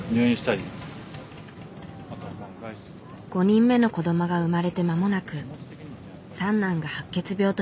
５人目の子どもが生まれて間もなく三男が白血病と診断された。